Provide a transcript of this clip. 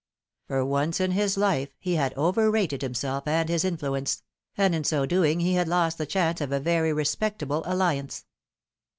For once in his life he had overrated himself and hia influence ; and in so doing he had lost the chance of a very respectable alliance.